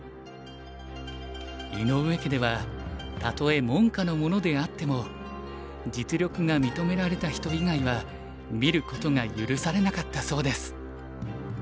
井上家ではたとえ門下の者であっても実力が認められた人以外は見ることが許されなかったそうです。